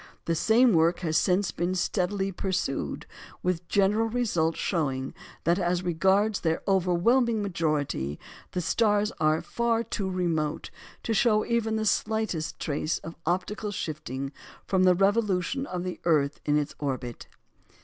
The same work has since been steadily pursued, with the general result of showing that, as regards their overwhelming majority, the stars are far too remote to show even the slightest trace of optical shifting from the revolution of the earth in its orbit.